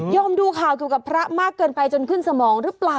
ดูข่าวเกี่ยวกับพระมากเกินไปจนขึ้นสมองหรือเปล่า